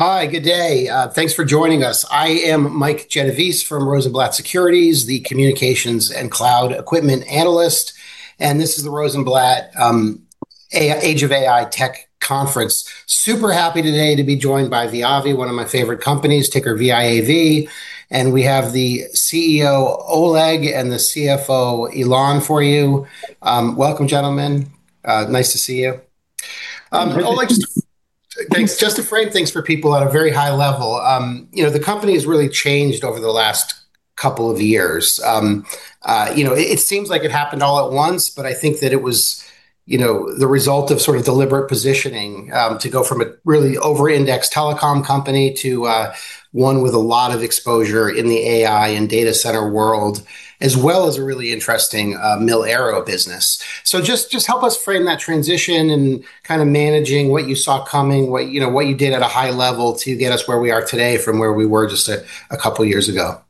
Hi, good day. Thanks for joining us. I am Mike Genovese from Rosenblatt Securities, the Communications and Cloud Equipment Analyst. This is the Rosenblatt Age of AI Tech Conference. Super happy today to be joined by VIAVI, one of my favorite companies, ticker VIAV, we have the CEO, Oleg, and the CFO, Ilan, for you. Welcome, gentlemen. Nice to see you. Oleg, Thanks. Just to frame things for people at a very high level. The company has really changed over the last couple of years. It seems like it happened all at once, I think that it was the result of deliberate positioning to go from a really over-indexed telecom company to one with a lot of exposure in the AI and data center world, as well as a really interesting mil-aero business. Just help us frame that transition and managing what you saw coming, what you did at a high level to get us where we are today from where we were just a couple of years ago.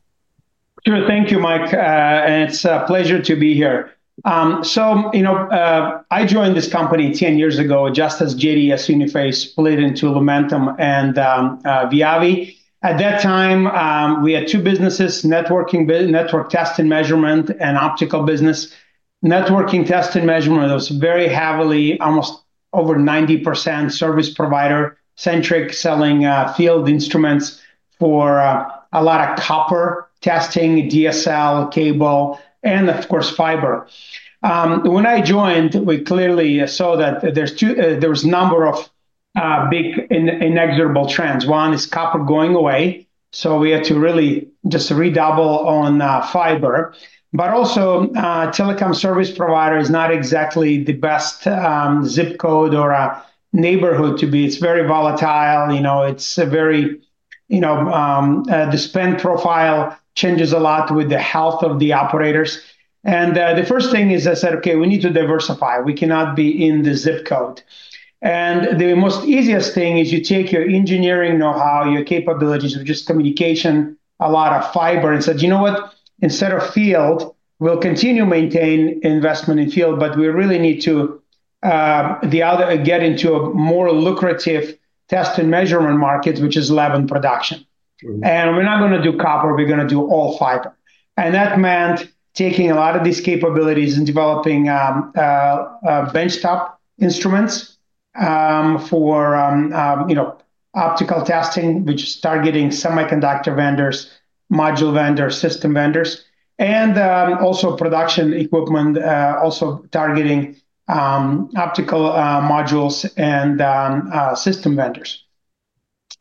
Sure. Thank you, Mike, it's a pleasure to be here. I joined this company 10 years ago, just as JDS Uniphase split into Lumentum and VIAVI. At that time, we had two businesses, network test and measurement, optical business. Networking test and measurement was very heavily, almost over 90% service provider-centric, selling field instruments for a lot of copper testing, DSL, cable, of course, fiber. When I joined, we clearly saw that there was a number of big inexorable trends. One is copper going away, we had to really just redouble on fiber. Also, telecom service provider is not exactly the best ZIP code or neighborhood to be. It's very volatile. The spend profile changes a lot with the health of the operators. The first thing is I said, Okay, we need to diversify. We cannot be in the ZIP code. The most easiest thing is you take your engineering knowhow, your capabilities of just communication, a lot of fiber, said, You know what? Instead of field, we'll continue maintain investment in field, we really need to get into a more lucrative test and measurement market, which is lab and production. Sure. We're not going to do copper, we're going to do all fiber. That meant taking a lot of these capabilities and developing bench-top instruments for optical testing, which is targeting semiconductor vendors, module vendors, system vendors, and also production equipment, also targeting optical modules and system vendors.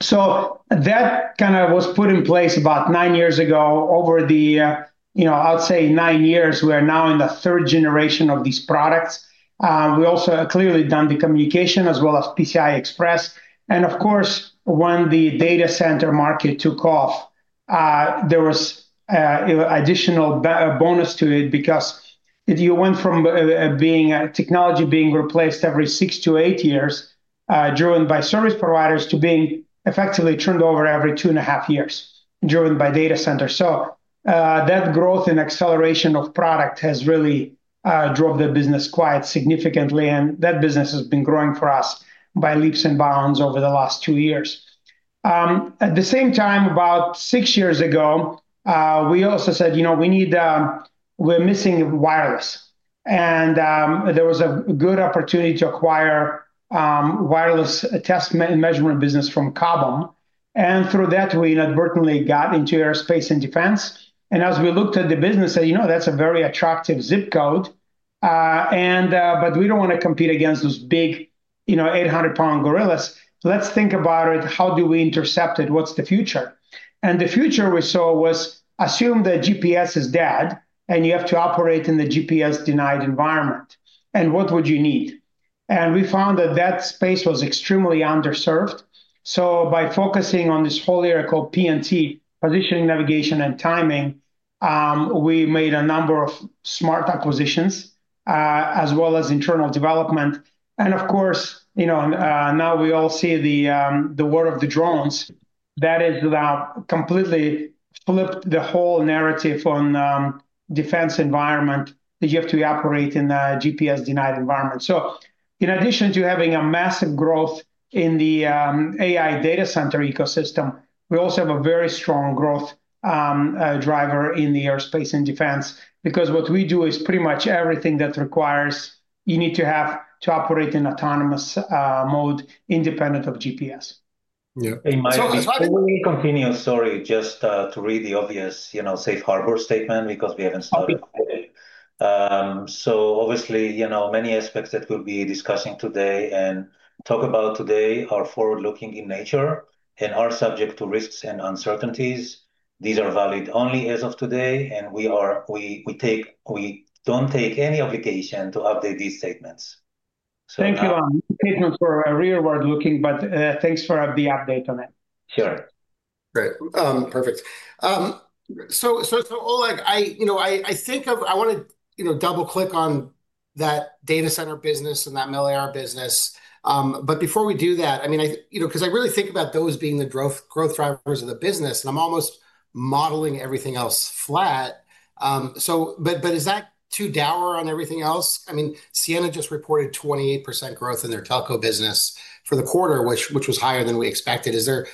That was put in place about nine years ago. Over the, I would say nine years, we are now in the third generation of these products. We also have clearly done the communication as well as PCI Express, and of course, when the data center market took off, there was additional bonus to it because you went from technology being replaced every 6-8 years, driven by service providers, to being effectively turned over every two and a half years, driven by data centers. That growth and acceleration of product has really drove the business quite significantly, and that business has been growing for us by leaps and bounds over the last two years. At the same time, about six years ago, we also said, We're missing wireless. There was a good opportunity to acquire wireless test measurement business from Cobham. Through that, we inadvertently got into aerospace and defense. As we looked at the business said, "That's a very attractive ZIP code, but we don't want to compete against those big 800-pound gorillas. Let's think about it. How do we intercept it? What's the future?" The future we saw was assume that GPS is dead, and you have to operate in the GPS-denied environment, and what would you need? We found that that space was extremely underserved. By focusing on this whole area called PNT, positioning, navigation, and timing, we made a number of smart acquisitions, as well as internal development. Of course, now we all see the war of the drones. That has now completely flipped the whole narrative on defense environment that you have to operate in a GPS-denied environment. In addition to having a massive growth in the AI data center ecosystem, we also have a very strong growth driver in the aerospace and defense because what we do is pretty much everything that requires you need to have to operate in autonomous mode, independent of GPS. Yeah. So- Hey, Mike. Before we continue, sorry, just to read the obvious safe harbor statement because we haven't started recording. Okay. Obviously, many aspects that we'll be discussing today and talk about today are forward-looking in nature and are subject to risks and uncertainties. These are valid only as of today, and we don't take any obligation to update these statements. Thank you, Ilan. This statement for a rearward-looking, but thanks for the update on it. Sure. Great. Perfect. Oleg, I want to double-click on that data center business and that mil-aero business, but before we do that, because I really think about those being the growth drivers of the business, and I'm almost modeling everything else flat. Is that too dour on everything else? Ciena just reported 28% growth in their telco business for the quarter, which was higher than we expected. Is there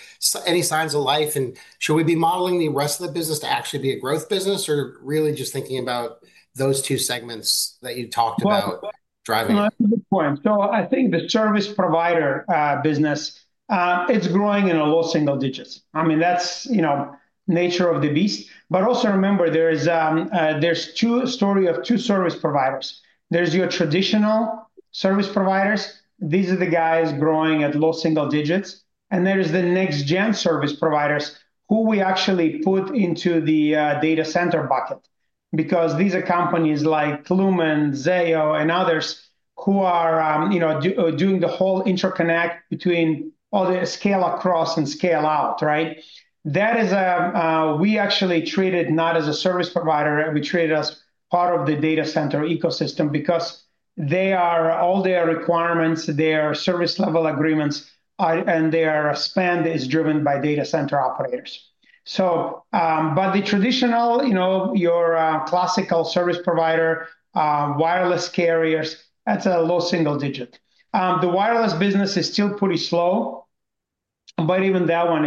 any signs of life, and should we be modeling the rest of the business to actually be a growth business, or really just thinking about those two segments that you talked about driving? No, that's a good point. I think the service provider business, it's growing in a low single digits. That's nature of the beast. Also remember there's two story of two service providers. There's your traditional service providers. These are the guys growing at low single digits. There's the next gen service providers who we actually put into the data center bucket. These are companies like Lumen, Zayo, and others who are doing the whole interconnect between all the scale across and scale out. We actually treat it not as a service provider. We treat it as part of the data center ecosystem because all their requirements, their service level agreements, and their spend is driven by data center operators. The traditional, your classical service provider, wireless carriers, that's a low single digit. The wireless business is still pretty slow. Even that one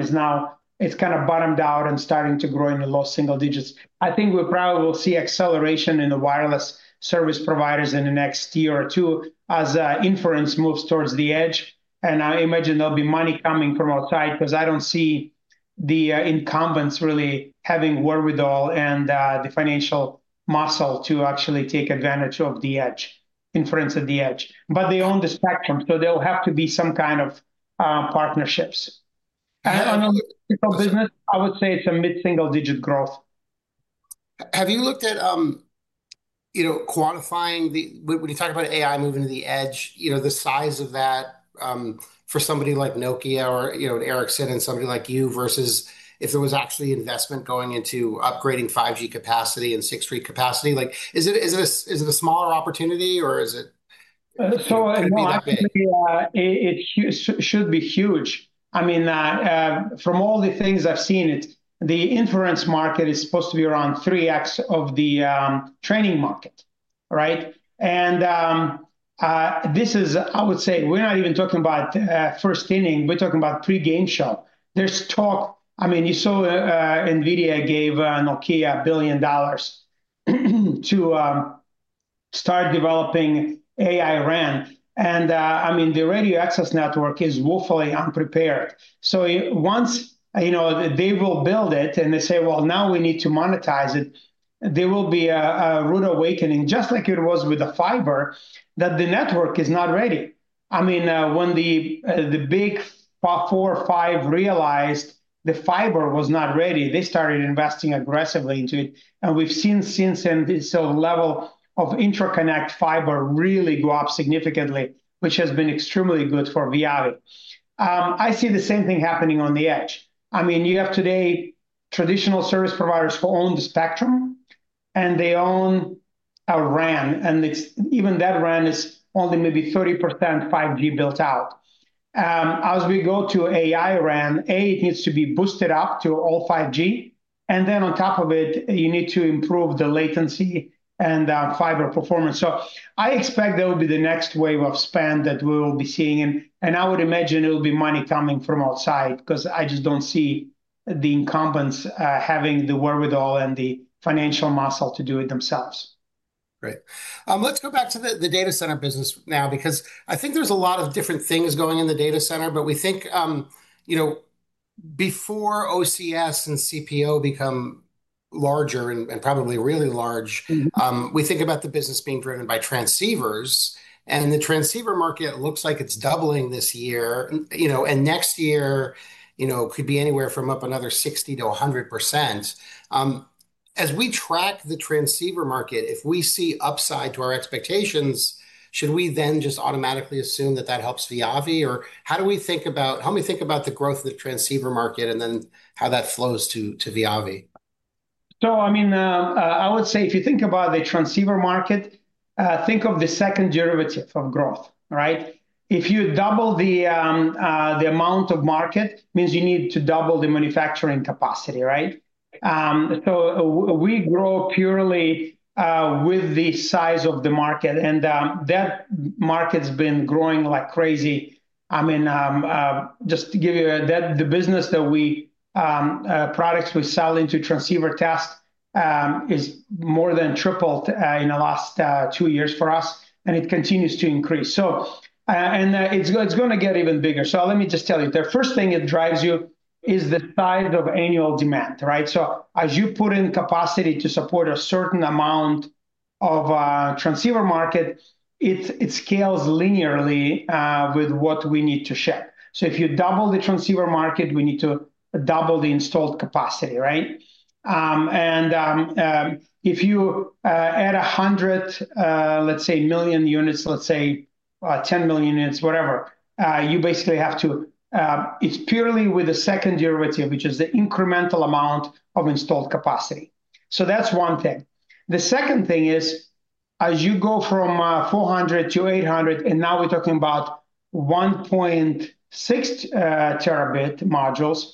it's bottomed out and starting to grow in the low single-digits. I think we probably will see acceleration in the wireless service providers in the next year or two as inference moves towards the edge. I imagine there'll be money coming from outside because I don't see the incumbents really having wherewithal and the financial muscle to actually take advantage of inference at the edge. They own the spectrum, so there'll have to be some kind of partnerships. On the business, I would say it's a mid-single digit growth. Have you looked at quantifying the, when you talk about AI moving to the edge, the size of that for somebody like Nokia or Ericsson and somebody like you versus if there was actually investment going into upgrading 5G capacity and 6G capacity? Is it a smaller opportunity or is it- So- Could be that big it should be huge. From all the things I've seen it, the inference market is supposed to be around 3x of the training market. I would say we're not even talking about first inning, we're talking about pre-game show. There's talk, you saw NVIDIA gave Nokia $1 billion to start developing AI RAN. The radio access network is woefully unprepared. Once they will build it and they say, Well, now we need to monetize it, there will be a rude awakening, just like it was with the fiber, that the network is not ready. When the big four or five realized the fiber was not ready, they started investing aggressively into it. We've seen since then this level of interconnect fiber really go up significantly, which has been extremely good for VIAVI. I see the same thing happening on the edge. You have today traditional service providers who own the spectrum, and they own a RAN, and even that RAN is only maybe 30% 5G built out. As we go to AI RAN, it needs to be boosted up to all 5G, and then on top of it, you need to improve the latency and fiber performance. I expect that will be the next wave of spend that we will be seeing. I would imagine it'll be money coming from outside because I just don't see the incumbents having the wherewithal and the financial muscle to do it themselves. Great. Let's go back to the data center business now, because I think there's a lot of different things going in the data center, we think before OCS and CPO become larger and probably really large. We think about the business being driven by transceivers, the transceiver market looks like it's doubling this year. Next year could be anywhere from up another 60%-100%. As we track the transceiver market, if we see upside to our expectations, should we then just automatically assume that that helps VIAVI? How do we think about the growth of the transceiver market, and then how that flows to VIAVI? I would say if you think about the transceiver market, think of the second derivative of growth. If you double the amount of market, means you need to double the manufacturing capacity. We grow purely with the size of the market, that market's been growing like crazy. Just to give you the products we sell into transceiver test, is more than tripled in the last two years for us, it continues to increase. It's going to get even bigger. Let me just tell you. The first thing it drives you is the tide of annual demand. As you put in capacity to support a certain amount of transceiver market, it scales linearly with what we need to ship. If you double the transceiver market, we need to double the installed capacity. If you add 100 million units, let's say 10 million units, whatever, it's purely with the second derivative, which is the incremental amount of installed capacity. That's one thing. The second thing is. As you go from 400-800, now we're talking about 1.6 Tb modules,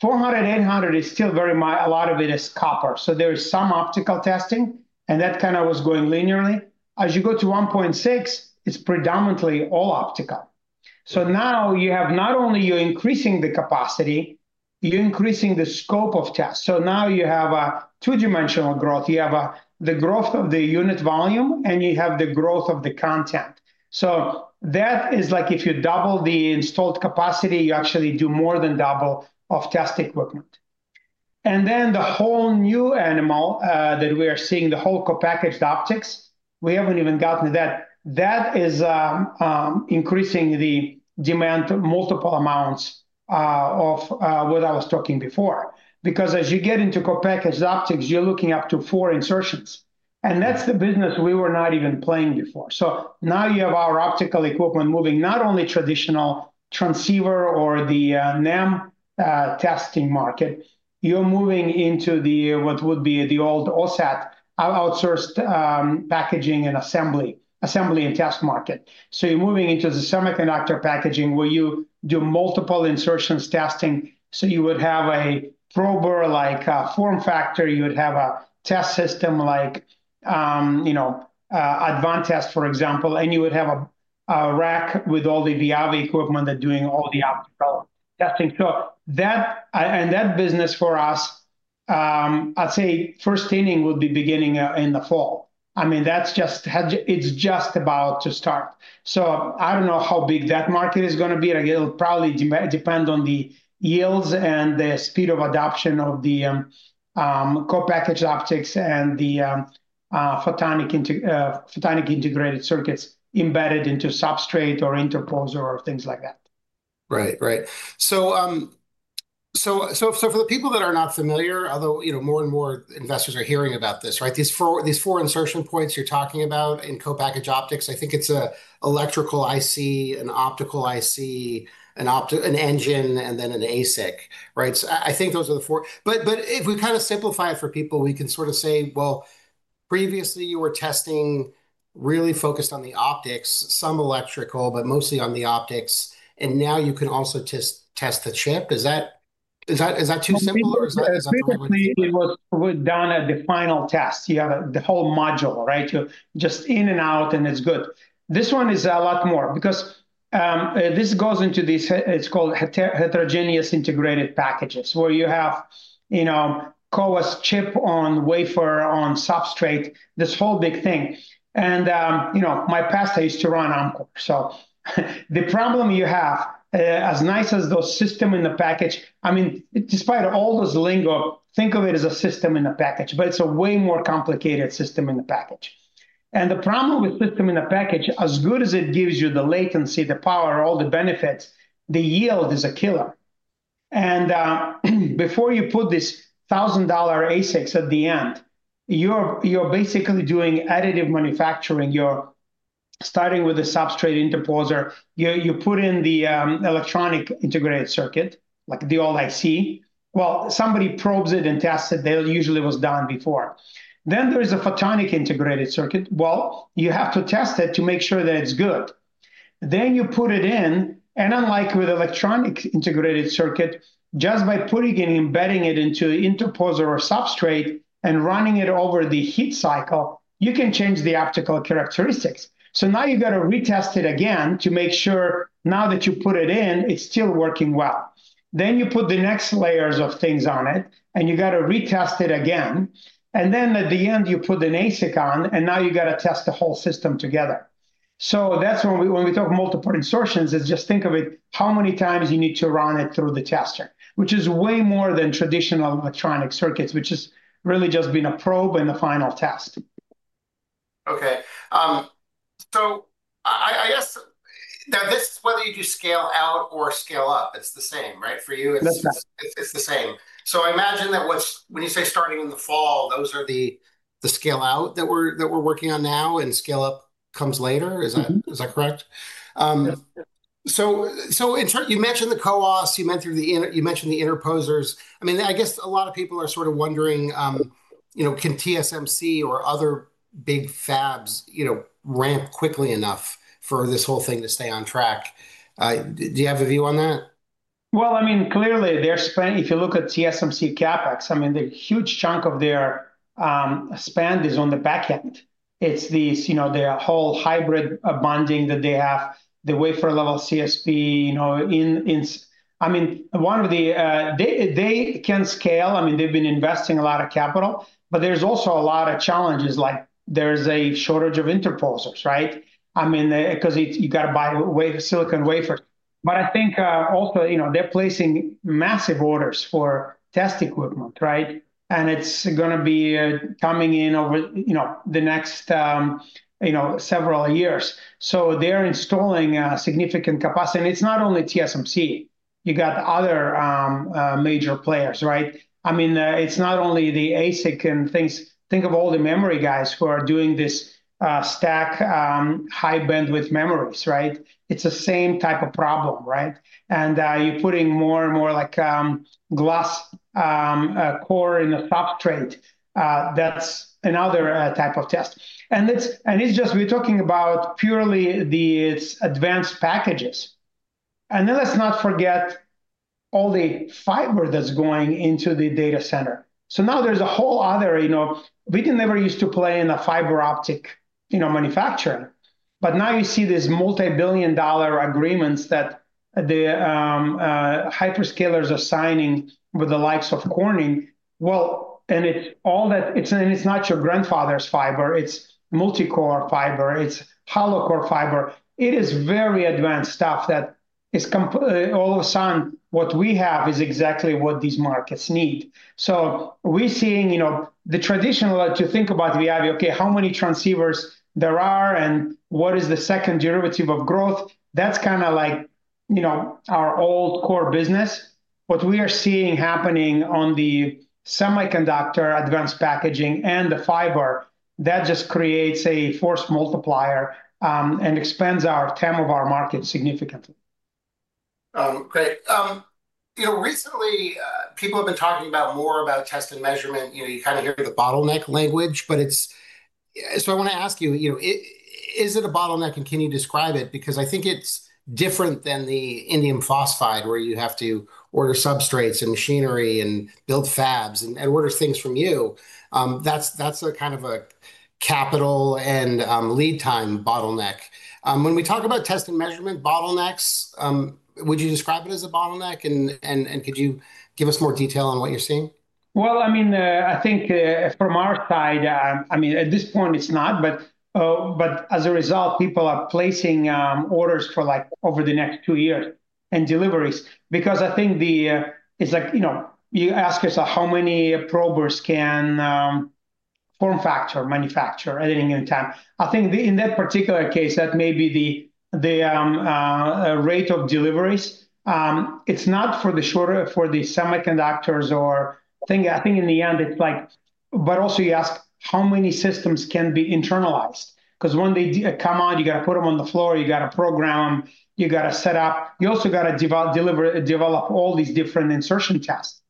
400, 800, a lot of it is copper. There is some optical testing, and that kind of was going linearly. As you go to 1.6 Tb, it's predominantly all optical. Now you have not only you're increasing the capacity, you're increasing the scope of tests. Now you have a two-dimensional growth. You have the growth of the unit volume, and you have the growth of the content. That is like if you double the installed capacity, you actually do more than double of test equipment. The whole new animal that we are seeing, the whole co-packaged optics, we haven't even gotten to that. That is increasing the demand multiple amounts of what I was talking before. As you get into co-packaged optics, you're looking up to four insertions, and that's the business we were not even playing before. Now you have our optical equipment moving not only traditional transceiver or the NEM testing market, you're moving into the, what would be the old OSAT, outsourced packaging and assembly, and test market. You're moving into the semiconductor packaging where you do multiple insertions testing. You would have a prober like FormFactor, you would have a test system like Advantest, for example, and you would have a rack with all the VIAVI equipment that doing all the optical testing. That business for us, I'd say first inning would be beginning in the fall. It's just about to start. I don't know how big that market is going to be, and it'll probably depend on the yields and the speed of adoption of the co-packaged optics and the Photonic Integrated Circuits embedded into substrate or interposer or things like that. Right. For the people that are not familiar, although more and more investors are hearing about this, right? These four insertion points you're talking about in co-packaged optics, I think it's a electrical IC, an optical IC, an engine, and then an ASIC, right? I think those are the four. If we kind of simplify it for people, we can sort of say, well, previously you were testing really focused on the optics, some electrical, but mostly on the optics, and now you can also test the chip. Is that too simple, or is that not? Previously it was done at the final test. You have the whole module, right? You're just in and out, and it's good. This one is a lot more because this goes into these, it's called heterogeneous integrated packages where you have CoWoS chip on wafer on substrate, this whole big thing. My past I used to run Amkor. The problem you have, as nice as those system in the package, despite all those lingo, think of it as a system in a package, but it's a way more complicated system in the package. The problem with system in a package, as good as it gives you the latency, the power, all the benefits, the yield is a killer. Before you put this $1,000 ASICs at the end, you're basically doing additive manufacturing. You're starting with a substrate interposer. You put in the electronic integrated circuit, like the all IC. Well, somebody probes it and tests it. That usually was done before. There is a Photonic Integrated Circuit. Well, you have to test it to make sure that it's good. You put it in, and unlike with electronic integrated circuit, just by putting it and embedding it into interposer or substrate and running it over the heat cycle, you can change the optical characteristics. Now you got to retest it again to make sure now that you put it in, it's still working well. You put the next layers of things on it, and you got to retest it again. At the end, you put an ASIC on, and now you got to test the whole system together. That's when we talk multiple insertions, is just think of it how many times you need to run it through the tester, which is way more than traditional electronic circuits, which is really just been a probe and the final test. Okay. I guess now this, whether you do scale out or scale up, it's the same, right? For you- That's right It's the same. I imagine that when you say starting in the fall, those are the scale out that we're working on now, and scale up comes later. Is that correct? Yes. In turn, you mentioned the CoWoS, you mentioned the interposers. I guess a lot of people are sort of wondering, can TSMC or other big fabs ramp quickly enough for this whole thing to stay on track? Do you have a view on that? Clearly they're spending. If you look at TSMC CapEx, the huge chunk of their spend is on the back end. It's their whole hybrid bonding that they have, the Wafer-level CSP. They can scale. They've been investing a lot of capital, There's also a lot of challenges, like there's a shortage of interposers, right? Because you got to buy silicon wafers. I think also, they're placing massive orders for test equipment, right? It's going to be coming in over the next several years. So they're installing significant capacity. It's not only TSMC. You got other major players, right? It's not only the ASIC and things. Think of all the memory guys who are doing this stack High Bandwidth memories, right? It's the same type of problem, right? You're putting more and more like glass core in a substrate. That's another type of test. We're talking about purely these advanced packages. Let's not forget all the fiber that's going into the data center. There's a whole other, we never used to play in the fiber optic manufacturer. You see these multi-billion dollar agreements that the hyperscalers are signing with the likes of Corning. It's not your grandfather's fiber, it's Multicore Fiber, it's Hollow Core Fiber. It is very advanced stuff that is complete. All of a sudden, what we have is exactly what these markets need. We're seeing, the traditional that you think about VIAVI, okay, how many transceivers there are and what is the second derivative of growth? That's kind of like our old core business. What we are seeing happening on the semiconductor advanced packaging and the fiber, that just creates a force multiplier, and expands our TAM of our market significantly. Great. Recently, people have been talking about more about test and measurement. You kind of hear the bottleneck language, but it's. I want to ask you, is it a bottleneck and can you describe it? Because I think it's different than the indium phosphide where you have to order substrates and machinery and build fabs and order things from you. That's a kind of a capital and lead time bottleneck. When we talk about test and measurement bottlenecks, would you describe it as a bottleneck and could you give us more detail on what you're seeing? I think from our side, at this point it's not, but as a result, people are placing orders for over the next two years and deliveries. I think the, it's like, you ask us how many probers can FormFactor, manufacture anything in time. I think in that particular case, that may be the rate of deliveries. It's not for the shorter, for the semiconductors or. I think in the end, it's like, but also you ask how many systems can be internalized. When they come out, you got to put them on the floor, you got to program, you got to set up. You also got to develop all these different insertion tests.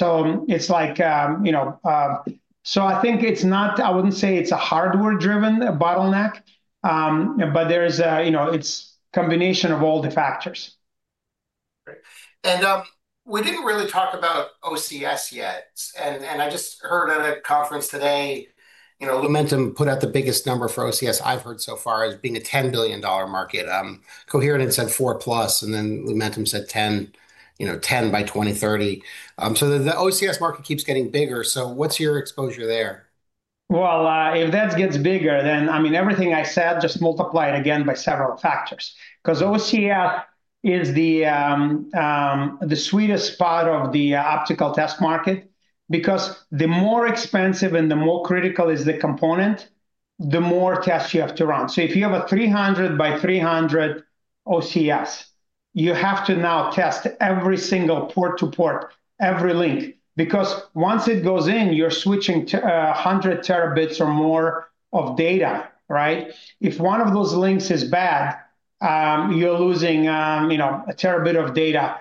I think it's not, I wouldn't say it's a hardware-driven bottleneck, but there is a, it's combination of all the factors. Great. We didn't really talk about OCS yet, I just heard at a conference today, Lumentum put out the biggest number for OCS I've heard so far as being a $10 billion market. Coherent had said 4+, Lumentum said 10 by 2030. The OCS market keeps getting bigger, what's your exposure there? Well, if that gets bigger, everything I said, just multiply it again by several factors. OCS is the sweetest spot of the optical test market. The more expensive and the more critical is the component, the more tests you have to run. If you have a 300 by 300 OCS, you have to now test every single port to port, every link. Once it goes in, you're switching to 100 Tb or more of data, right? If one of those links is bad, you're losing a terabit of data,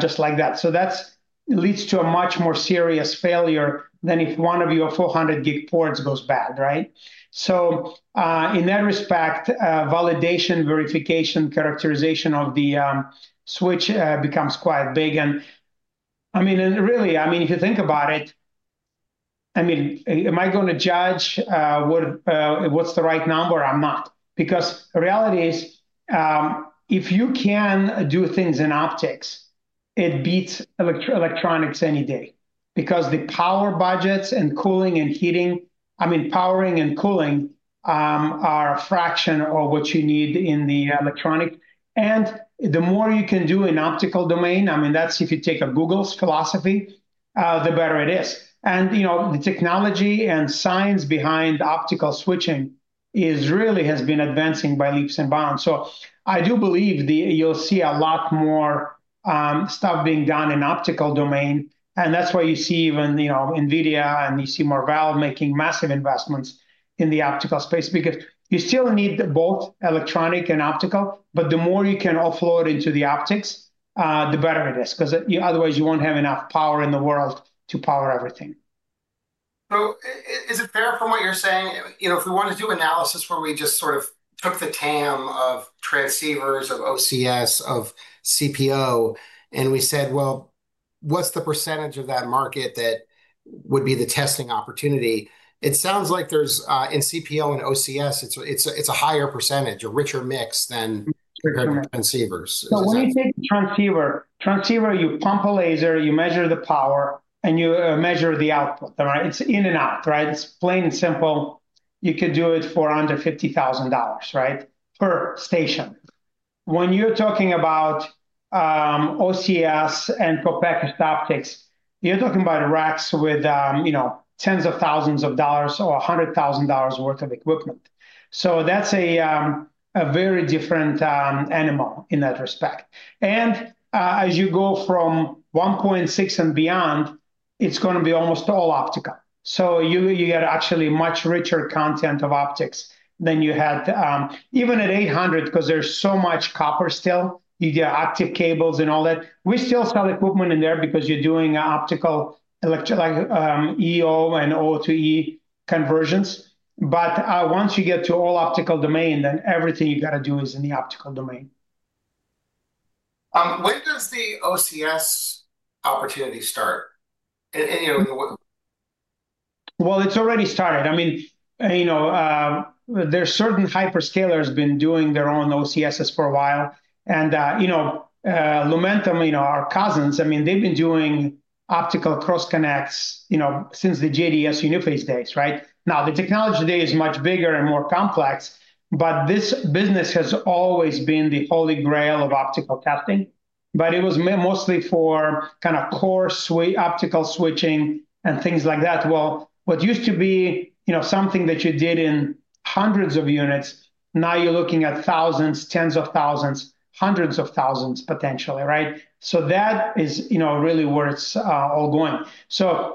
just like that. That leads to a much more serious failure than if one of your 400 Gb ports goes bad, right? In that respect, validation, verification, characterization of the switch becomes quite big and, really, if you think about it, am I going to judge what's the right number? I'm not. The reality is, if you can do things in optics, it beats electronics any day because the power budgets and cooling and heating, I mean, powering and cooling, are a fraction of what you need in the electronic. The more you can do in optical domain, I mean, that's if you take a Google's philosophy, the better it is. The technology and science behind optical switching is really has been advancing by leaps and bounds. I do believe you'll see a lot more stuff being done in optical domain, and that's why you see even NVIDIA and you see Marvell making massive investments in the optical space because you still need both electronic and optical, but the more you can offload into the optics, the better it is because otherwise you won't have enough power in the world to power everything. Is it fair from what you're saying, if we want to do analysis where we just sort of took the TAM of transceivers, of OCS, of CPO, and we said, Well, what's the percentage of that market that would be the testing opportunity? It sounds like in CPO and OCS, it's a higher percentage, a richer mix than transceivers. Is that? When you take the transceiver, you pump a laser, you measure the power, and you measure the output, all right? It's in and out, right? It's plain and simple. You could do it for under $50,000, right, per station. When you're talking about OCS and for packaged optics, you're talking about racks with tens of thousands of dollars or $100,000 worth of equipment. That's a very different animal in that respect. As you go from 1.6 Tb and beyond, it's going to be almost all optical. You get actually much richer content of optics than you had, even at 800, because there's so much copper still, you get active cables and all that. We still sell equipment in there because you're doing optical, electric, like EO and O2E conversions. Once you get to all optical domain, then everything you got to do is in the optical domain. When does the OCS opportunity start? It's already started. There's certain hyperscalers been doing their own OCSs for a while, and Lumentum, our cousins, they've been doing optical cross-connects, since the JDS Uniphase days, right? The technology today is much bigger and more complex, this business has always been the holy grail of optical testing. It was mostly for kind of core optical switching and things like that. What used to be something that you did in hundreds of units, now you're looking at thousands, tens of thousands, hundreds of thousands potentially, right? That is really where it's all going.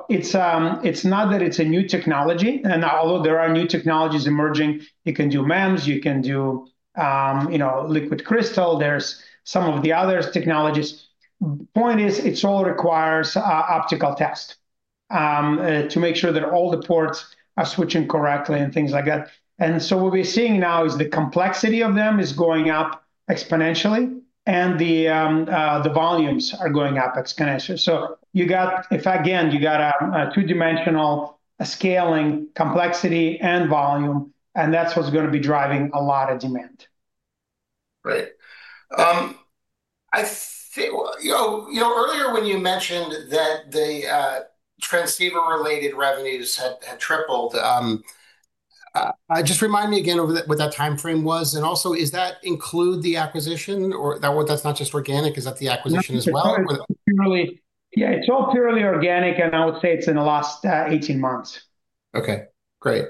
It's not that it's a new technology, and although there are new technologies emerging, you can do MEMS, you can do liquid crystal, there's some of the other technologies. Point is, it all requires optical test, to make sure that all the ports are switching correctly and things like that. What we're seeing now is the complexity of them is going up exponentially and the volumes are going up exponentially. If, again, you got a two-dimensional scaling complexity and volume, and that's what's going to be driving a lot of demand. Right. Earlier when you mentioned that the transceiver-related revenues had tripled, just remind me again what that timeframe was, and also is that include the acquisition or that's not just organic, is that the acquisition as well? Yeah. It's all purely organic, and I would say it's in the last 18 months. Okay, great.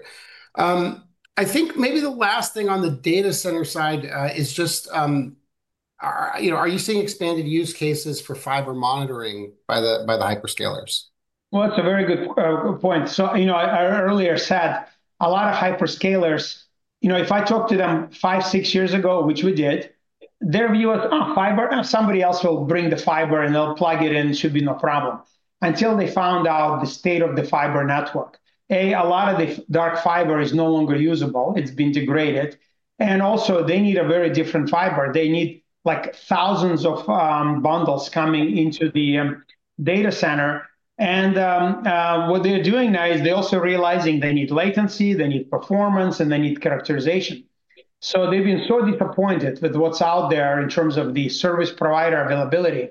I think maybe the last thing on the data center side is just, are you seeing expanded use cases for fiber monitoring by the hyperscalers? Well, that's a very good point. I earlier said a lot of hyperscalers, if I talk to them five, six years ago, which we did, their view of, Oh, fiber. Oh, somebody else will bring the fiber and they'll plug it in, should be no problem. Until they found out the state of the fiber network. A lot of the dark fiber is no longer usable. It's been degraded. They need a very different fiber. They need thousands of bundles coming into the data center. What they're doing now is they're also realizing they need latency, they need performance, and they need characterization. They've been so disappointed with what's out there in terms of the service provider availability,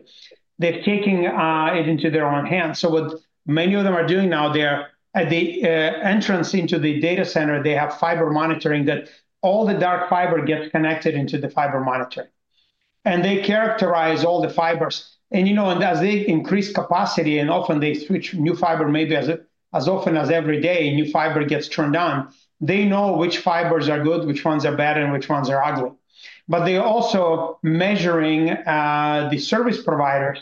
they're taking it into their own hands. What many of them are doing now, they are at the entrance into the data center, they have fiber monitoring that all the dark fiber gets connected into the fiber monitor. They characterize all the fibers. As they increase capacity, and often they switch new fiber, maybe as often as every day a new fiber gets turned on, they know which fibers are good, which ones are bad, and which ones are ugly. They also measuring, the service providers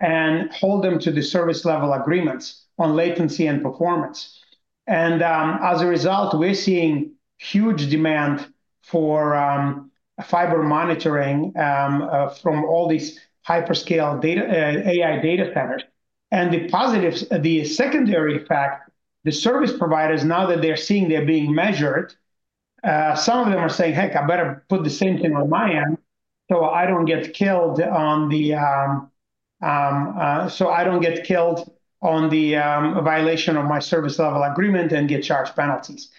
and hold them to the service level agreements on latency and performance. As a result, we're seeing huge demand for fiber monitoring from all these hyperscale AI data centers. The positives, the secondary effect, the service providers, now that they're seeing they're being measured, some of them are saying, Heck, I better put the same thing on my end so I don't get killed on the violation of my service level agreement and get charged penalties.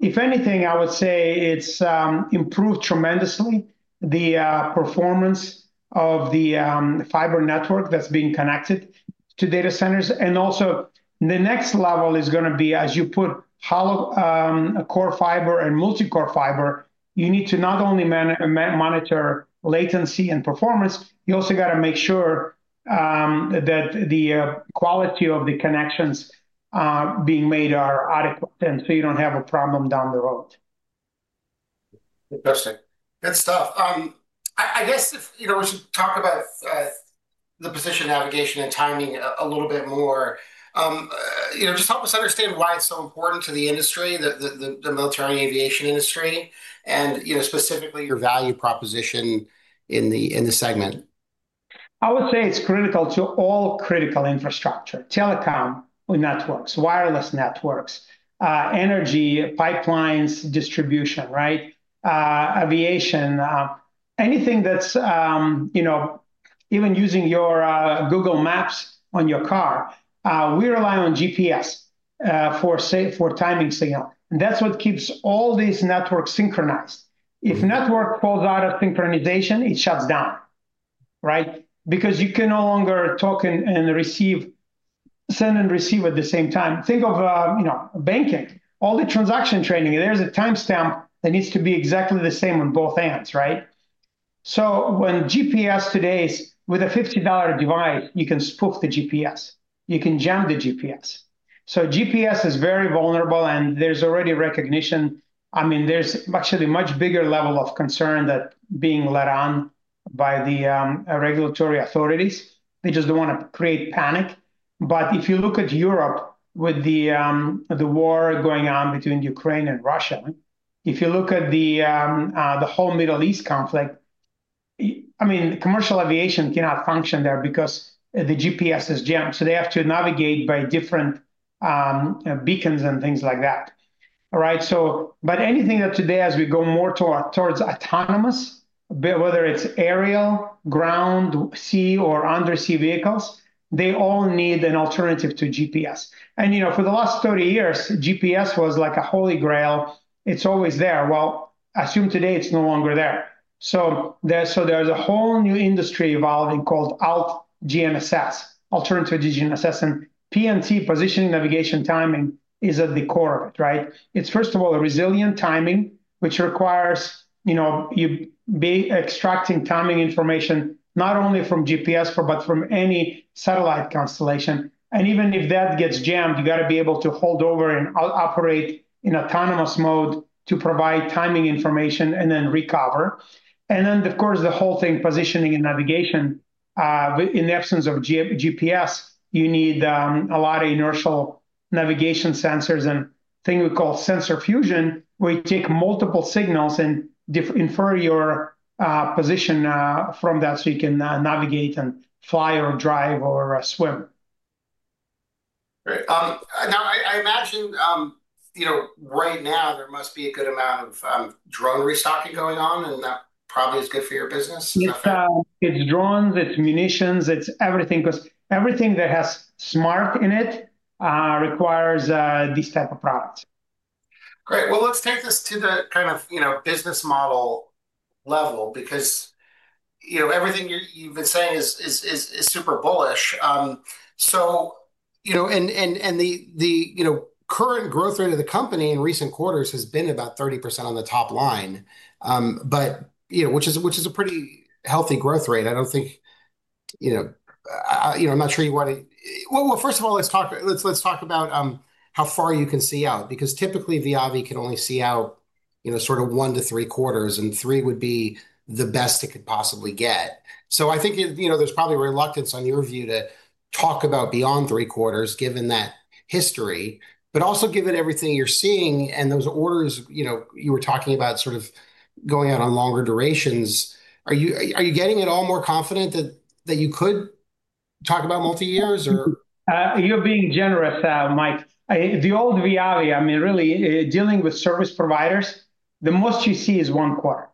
If anything, I would say it's improved tremendously the performance of the fiber network that's being connected to data centers. Also the next level is going to be as you put Hollow Core Fiber and Multicore Fiber, you need to not only monitor latency and performance, you also got to make sure that the quality of the connections being made are adequate, and so you don't have a problem down the road. Fantastic. Good stuff. I guess we should talk about the position navigation and timing a little bit more. Just help us understand why it's so important to the industry, the military aviation industry, and specifically your value proposition in the segment. I would say it's critical to all critical infrastructure, telecom networks, wireless networks, energy pipelines distribution, right? Aviation. Even using your Google Maps on your car, we rely on GPS for timing signal, and that's what keeps all these networks synchronized. If network falls out of synchronization, it shuts down, right? Because you can no longer talk and receive, send and receive at the same time. Think of banking, all the transaction trading, there's a timestamp that needs to be exactly the same on both ends, right? When GPS today is with a $50 device, you can spoof the GPS, you can jam the GPS. GPS is very vulnerable and there's already recognition. There's actually much bigger level of concern that being led on by the regulatory authorities. They just don't want to create panic. If you look at Europe with the war going on between Ukraine and Russia, if you look at the whole Middle East conflict. Commercial aviation cannot function there because the GPS is jammed, so they have to navigate by different beacons and things like that. All right, anything that today as we go more towards autonomous, whether it's aerial, ground, sea, or undersea vehicles, they all need an alternative to GPS. For the last 30 years, GPS was like a holy grail. It's always there. Assume today it's no longer there. There's a whole new industry evolving called altGNSS, alternative GNSS, and PNT, position navigation timing, is at the core of it, right? It's first of all a resilient timing, which requires you be extracting timing information not only from GPS, but from any satellite constellation. Even if that gets jammed, you got to be able to hold over and operate in autonomous mode to provide timing information and then recover. Then, of course, the whole thing, positioning and navigation. In the absence of GPS, you need a lot of inertial navigation sensors and thing we call sensor fusion, where you take multiple signals and infer your position from that so you can navigate and fly or drive or swim. Right. Now, I imagine right now there must be a good amount of drone restocking going on, and that probably is good for your business. Is that fair? It's drones, it's munitions, it's everything, because everything that has smart in it requires these type of products. Great. Well, let's take this to the business model level because everything you've been saying is super bullish. The current growth rate of the company in recent quarters has been about 30% on the top line which is a pretty healthy growth rate. I'm not sure you want to. Well, first of all, let's talk about how far you can see out, because typically VIAVI can only see out one to three quarters, and three would be the best it could possibly get. I think there's probably reluctance on your view to talk about beyond three quarters, given that history, but also given everything you're seeing and those orders you were talking about going out on longer durations. Are you getting at all more confident that you could talk about multi-years or- You're being generous, Mike. The old VIAVI, really dealing with service providers, the most you see is one quarter.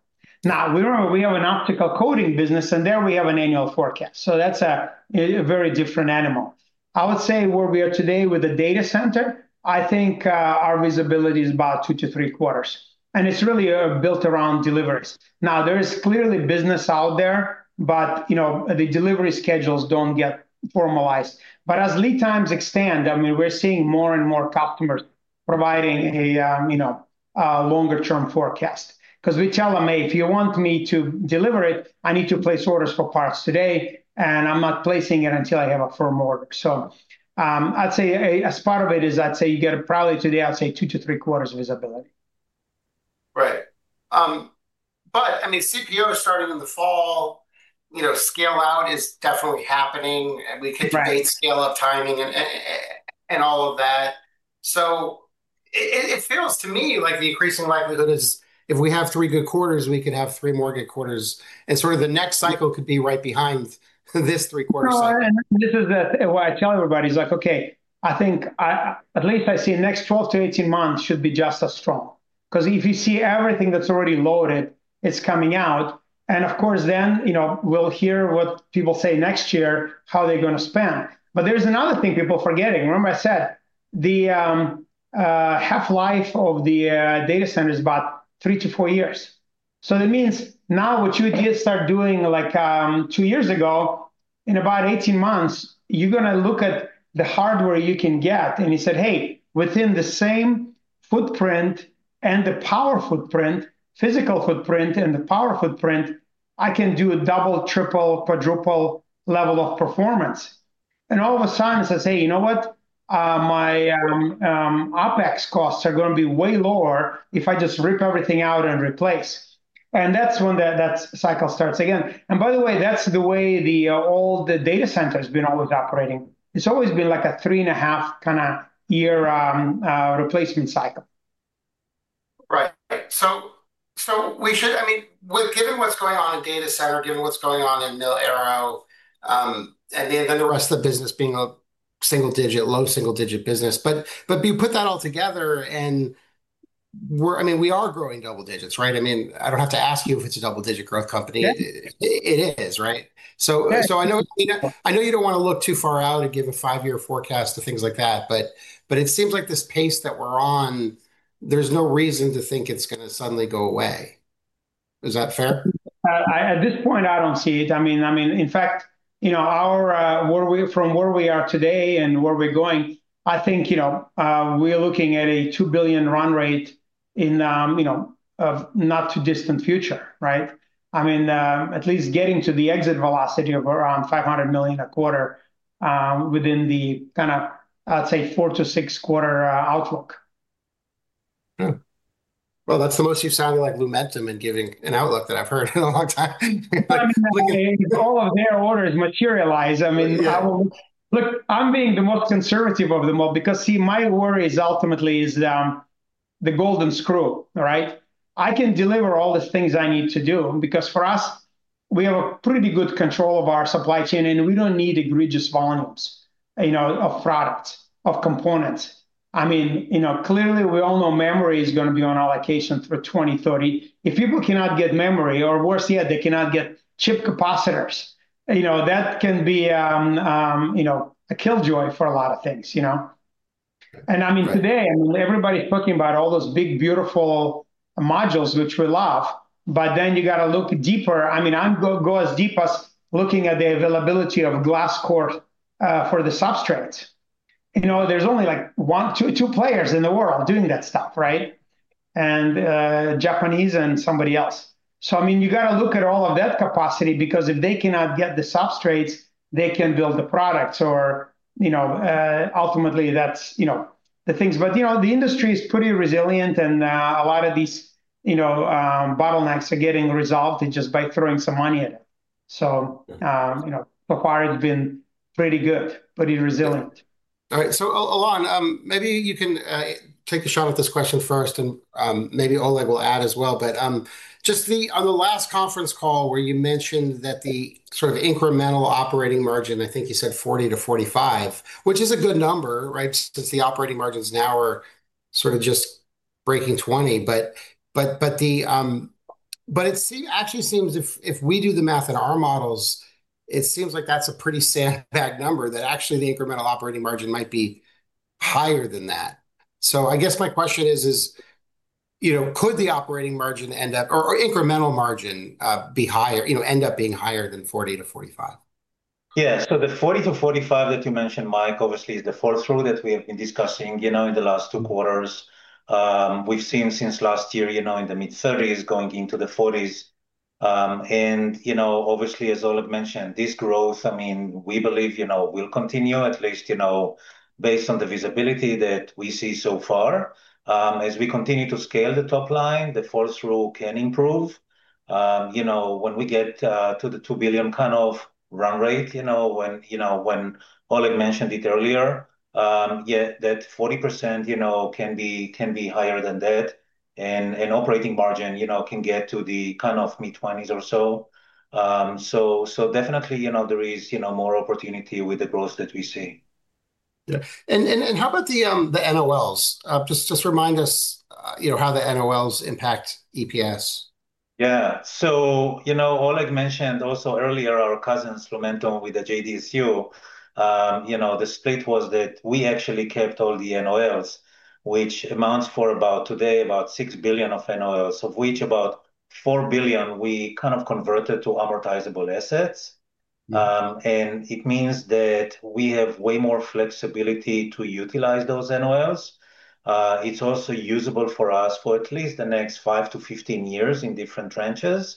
Now we have an optical coating business, and there we have an annual forecast. That's a very different animal. I would say where we are today with the data center, I think our visibility is about 2-3 quarters, and it's really built around deliveries. There is clearly business out there, but the delivery schedules don't get formalized. As lead times extend, we're seeing more and more customers providing a longer-term forecast. We tell them, Hey, if you want me to deliver it, I need to place orders for parts today, and I'm not placing it until I have a firm order. I'd say as part of it is, I'd say you get probably today, I'd say 2-3 quarters visibility. Right. CPO starting in the fall, scale-out is definitely happening. Right. We could debate scale-up timing and all of that. It feels to me like the increasing likelihood is if we have three good quarters, we could have three more good quarters, and the next cycle could be right behind this three-quarter cycle. No. This is what I tell everybody is, okay, I think at least I see the next 12-18 months should be just as strong. If you see everything that's already loaded, it's coming out. Of course, then we'll hear what people say next year, how they're going to spend. There's another thing people forgetting. Remember I said the half-life of the data center is about 3-4 years. That means now what you just start doing two years ago, in about 18 months, you're going to look at the hardware you can get, and you said, Hey, within the same footprint and the power footprint, physical footprint and the power footprint, I can do a double, triple, quadruple level of performance. All of a sudden, says, Hey, you know what? My OpEx costs are going to be way lower if I just rip everything out and replace. That's when that cycle starts again. By the way, that's the way all the data centers been always operating. It's always been like a three and a half kind of year replacement cycle. Right. Given what's going on in data center, given what's going on in mil-aero, the rest of the business being a low single-digit business. You put that all together, we are growing double-digits, right? I don't have to ask you if it's a double-digit growth company. Yeah. It is, right? Yeah. I know you don't want to look too far out and give a five-year forecast to things like that, but it seems like this pace that we're on, there's no reason to think it's going to suddenly go away. Is that fair? At this point, I don't see it. In fact, from where we are today and where we're going, I think we're looking at a $2 billion run rate in a not too distant future, right? At least getting to the exit velocity of around $500 million a quarter within the kind of, I'd say four to six quarter outlook. That's the most you've sounded like Lumentum in giving an outlook that I've heard in a long time. If all of their orders materialize. Yeah. I'm being the most conservative of them all because, see, my worry is ultimately The golden screw, right? I can deliver all the things I need to do because for us, we have a pretty good control of our supply chain and we don't need egregious volumes of product, of components. Clearly, we all know memory is going to be on allocation through 2030. If people cannot get memory, or worse yet, they cannot get chip capacitors, that can be a killjoy for a lot of things. Right. Today, everybody's talking about all those big, beautiful modules, which we love, you got to look deeper. I go as deep as looking at the availability of glass core for the substrates. There's only two players in the world doing that stuff, right? Japanese and somebody else. You got to look at all of that capacity, because if they cannot get the substrates, they can't build the products. Ultimately, that's the things. The industry is pretty resilient and a lot of these bottlenecks are getting resolved just by throwing some money at it. Yeah. Far it's been pretty good, pretty resilient. All right. Ilan, maybe you can take a shot at this question first, and maybe Oleg will add as well. On the last conference call where you mentioned that the incremental operating margin, I think you said 40%-45%, which is a good number, right? Since the operating margins now are just breaking 20%. It actually seems if we do the math in our models, it seems like that's a pretty sad bad number, that actually the incremental operating margin might be higher than that. I guess my question is could the operating margin end up, or incremental margin, end up being higher than 40%-45%? The 40%-45% that you mentioned, Michael, obviously is the fall-through that we have been discussing in the last two quarters. We've seen since last year, in the mid-30s, going into the 40s. Obviously, as Oleg mentioned, this growth, we believe will continue, at least based on the visibility that we see so far. As we continue to scale the top line, the fall-through can improve. When we get to the $2 billion run rate, when Oleg mentioned it earlier, yet that 40% can be higher than that, and operating margin can get to the mid-20s or so. Definitely, there is more opportunity with the growth that we see. How about the NOLs? Just remind us how the NOLs impact EPS. Oleg mentioned also earlier our cousin, Lumentum, with the JDSU. The split was that we actually kept all the NOLs, which amounts for about today, about $6 billion of NOLs, of which about $4 billion we converted to amortizable assets. It means that we have way more flexibility to utilize those NOLs. It's also usable for us for at least the next 5-15 years in different tranches.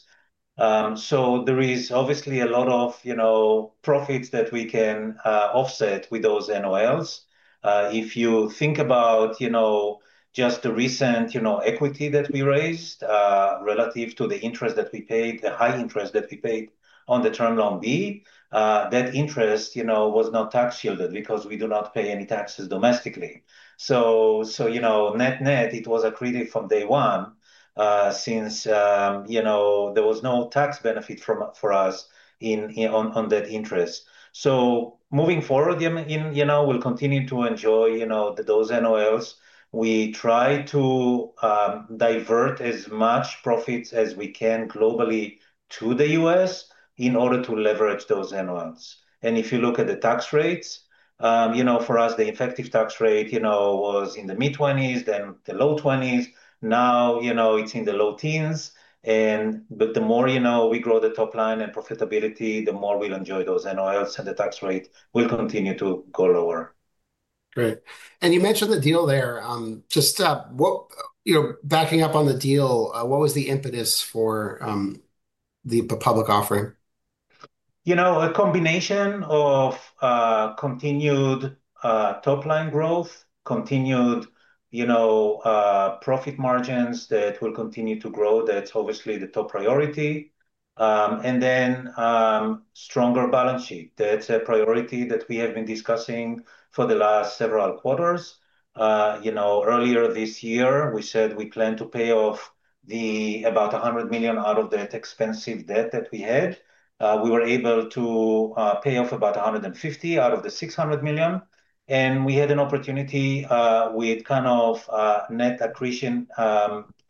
There is obviously a lot of profits that we can offset with those NOLs. If you think about just the recent equity that we raised, relative to the interest that we paid, the high interest that we paid on the Term Loan B, that interest was not tax shielded because we do not pay any taxes domestically. Net-net, it was accretive from day one, since there was no tax benefit for us on that interest. Moving forward, we'll continue to enjoy those NOLs. We try to divert as much profits as we can globally to the U.S. in order to leverage those NOLs. If you look at the tax rates, for us, the effective tax rate was in the mid-20s, then the low 20s. Now it's in the low teens. The more we grow the top line and profitability, the more we'll enjoy those NOLs, and the tax rate will continue to go lower. Great. You mentioned the deal there. Backing up on the deal, what was the impetus for the public offering? A combination of continued top-line growth, continued profit margins that will continue to grow. That's obviously the top priority. Then stronger balance sheet. That's a priority that we have been discussing for the last several quarters. Earlier this year, we said we plan to pay off about $100 million out of that expensive debt that we had. We were able to pay off about $150 million out of the $600 million, and we had an opportunity, with net accretion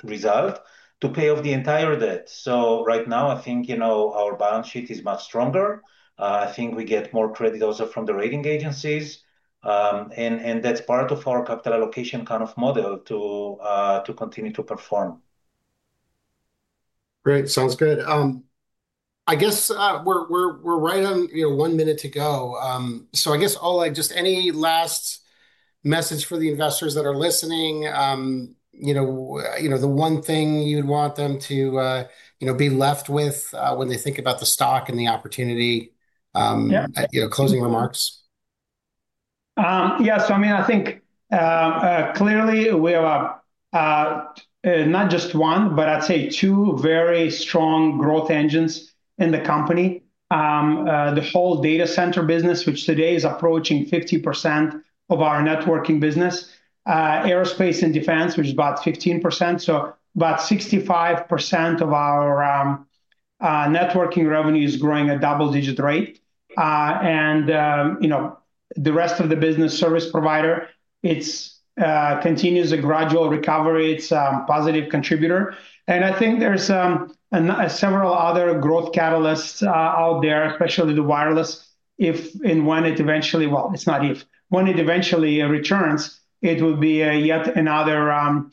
result, to pay off the entire debt. Right now, I think our balance sheet is much stronger. I think we get more credit also from the rating agencies, and that's part of our capital allocation model to continue to perform. Great. Sounds good. I guess we're right on one minute to go. I guess, Oleg, just any last message for the investors that are listening? The one thing you'd want them to be left with when they think about the stock and the opportunity. Yeah. Closing remarks? I think, clearly we are not just one, but I'd say two very strong growth engines in the company. The whole data center business, which today is approaching 50% of our networking business, aerospace and defense, which is about 15%. About 65% of our networking revenue is growing at double-digit rate. The rest of the business service provider, it continues a gradual recovery. It's a positive contributor. I think there's several other growth catalysts out there, especially the wireless, if and when it eventually Well, it's not if. When it eventually returns, it will be yet another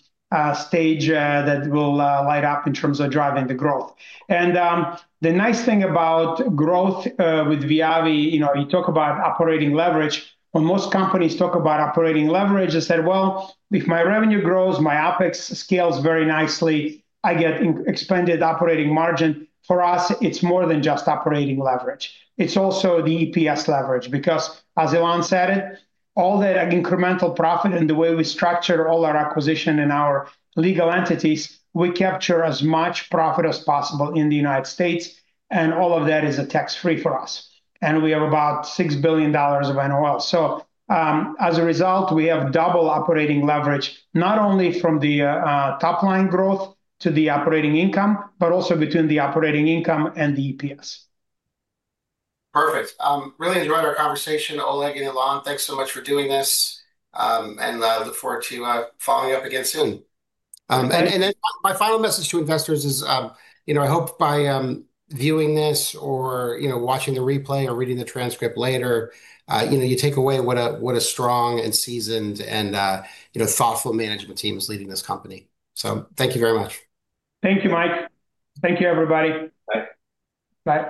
stage that will light up in terms of driving the growth. The nice thing about growth with VIAVI, you talk about operating leverage. When most companies talk about operating leverage, they said, Well, if my revenue grows, my OPEX scales very nicely, I get expanded operating margin. For us, it's more than just operating leverage. It's also the EPS leverage because as Ilan said it, all that incremental profit and the way we structure all our acquisition and our legal entities, we capture as much profit as possible in the United States, all of that is a tax-free for us. We have about $6 billion of NOL. As a result, we have double operating leverage, not only from the top-line growth to the operating income, but also between the operating income and the EPS. Perfect. Really enjoyed our conversation, Oleg and Ilan. Thanks so much for doing this, look forward to following up again soon. My final message to investors is, I hope by viewing this or watching the replay or reading the transcript later, you take away what a strong and seasoned and thoughtful management team is leading this company. Thank you very much. Thank you, Mike. Thank you, everybody. Bye. Bye.